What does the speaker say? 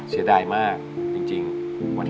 เสียดายมากจริงวันหนึ่งก็